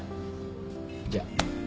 じゃあ。